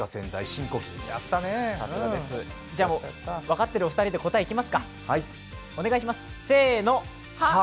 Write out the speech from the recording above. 分かってるお二人で答えいきますか。